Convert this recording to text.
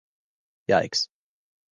Yikes!